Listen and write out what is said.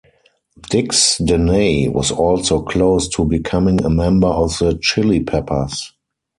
Dix Denney was also close to becoming a member of the Chili Peppers.